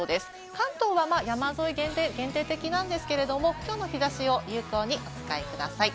関東は山沿い限定的ですが、きょうの日差しを有効的にお使いください。